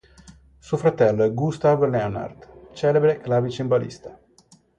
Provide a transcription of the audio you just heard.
Suo fratello è Gustav Leonhardt, celebre clavicembalista.